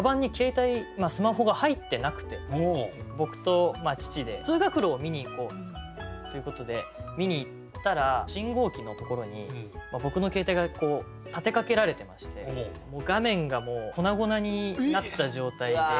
僕と父で通学路を見に行こうということで見に行ったら信号機のところに僕の携帯が立てかけられてまして画面がもう粉々になった状態で。